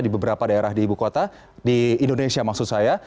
di beberapa daerah di ibu kota di indonesia maksud saya